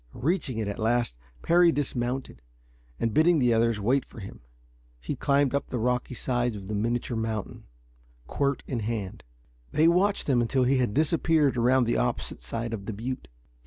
Reaching it at last, Parry dismounted, and, bidding the others wait for him, he climbed up the rocky sides of the miniature mountain, quirt in hand. They watched him until he had disappeared around the opposite side of the butte.